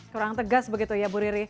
kurang tegas begitu ya bu riri